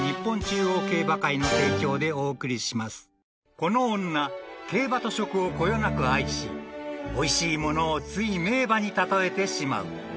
［この女競馬と食をこよなく愛しおいしいものをつい名馬に例えてしまう］